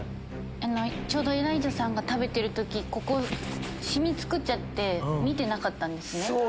ちょうどエライザさんが食べてる時ここシミ作っちゃって見てなかったんですね。